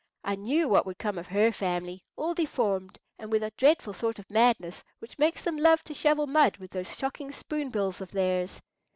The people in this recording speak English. "I knew what would come of her family—all deformed, and with a dreadful sort of madness which makes them love to shovel mud with those shocking spoon bills of theirs."